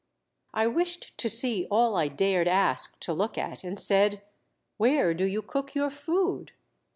I wished to see all I dared ask to look at, iind said, " Where do you cook your food